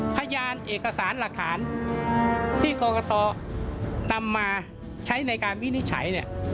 พยานเอกสารหลักฐานที่กรกตนำมาใช้ในการวินิจฉัยเนี่ย